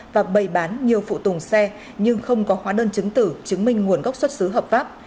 và bày bán nhiều phụ tùng xe nhưng không có hóa đơn chứng tử chứng minh nguồn gốc xuất xứ hợp pháp